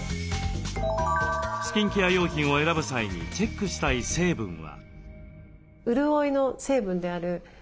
スキンケア用品を選ぶ際にチェックしたい成分は？